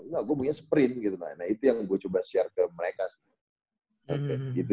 engga gue mau sprint gitu nah itu yang gue coba share ke mereka itu yang gue coba kasih itulah gitu gitu